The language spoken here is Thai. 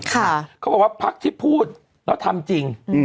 เขาบอกว่าพักที่พูดแล้วทำจริง